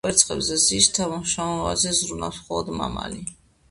კვერცხებზე ზის და შთამომავლობაზე ზრუნავს მხოლოდ მამალი.